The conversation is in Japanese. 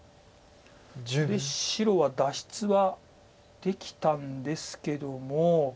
で白は脱出はできたんですけども。